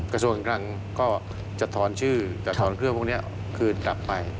กระทรวงคลังก็จะถอนชื่อจะถอนเครื่องพวกนี้คืนกลับไป